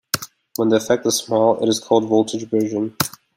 When the effect is small, it is called voltage bridging.